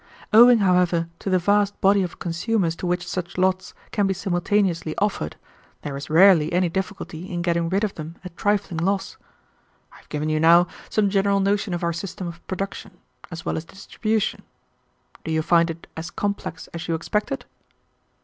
Owing, however, to the vast body of consumers to which such lots can be simultaneously offered, there is rarely any difficulty in getting rid of them at trifling loss. I have given you now some general notion of our system of production; as well as distribution. Do you find it as complex as you expected?"